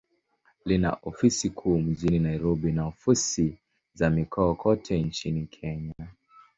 Lina ofisi kuu mjini Nairobi, na ofisi za mikoa kote nchini Kenya.